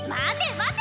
待て！